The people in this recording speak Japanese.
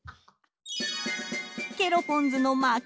ケロポンズの負け。